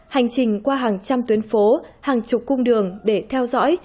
hành trình qua hàng trăm tuyến phố hàng chục cung đường để theo dõi